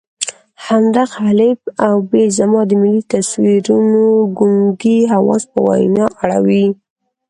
همدغه الف او ب زما د ملي تصویرونو ګونګي حواس په وینا اړوي.